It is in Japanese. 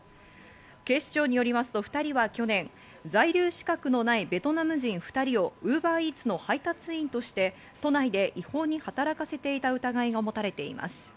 警視庁によりますと２人は去年、在留資格のないベトナム人２人をウーバーイーツの配達員として都内で違法に働かせていた疑いが持たれています。